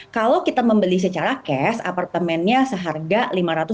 kalau kita membeli secara cash apartemennya seharga rp lima ratus termasuk biaya biaya lainnya